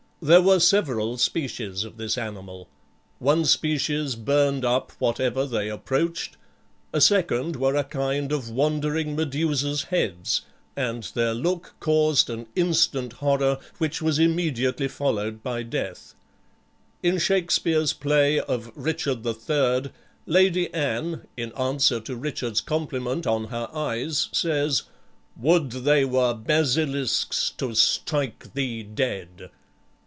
There were several species of this animal. One species burned up whatever they approached; a second were a kind of wandering Medusa's heads, and their look caused an instant horror which was immediately followed by death. In Shakspeare's play of "Richard the Third," Lady Anne, in answer to Richard's compliment on her eyes, says, "Would they were basilisk's, to strike thee dead!"